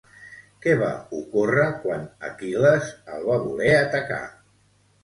Què va ocórrer quan Aquil·les el va voler atacar?